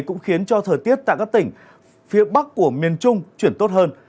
cũng khiến cho thời tiết tại các tỉnh phía bắc của miền trung chuyển tốt hơn